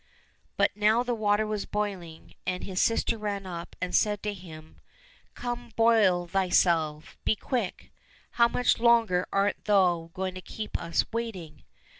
" But now the water was boiling, and his sister ran up and said to him, " Come, boil thyself, be quick ; how much longer art thou going to keep us waiting